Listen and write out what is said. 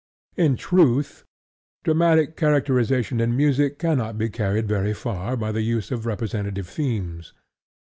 In truth, dramatic characterization in music cannot be carried very far by the use of representative themes.